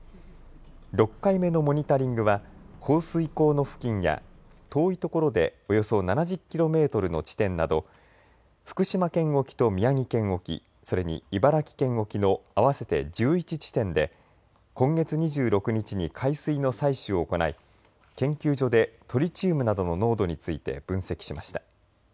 ６回目のモニタリングは放水口の付近や遠いところでおよそ７０キロメートルの地点など福島県沖と宮城県沖、それに茨城県沖の合わせて１１地点で今月２６日に海水の採取を行い研究所でトリチウムなどの濃度について分析しました。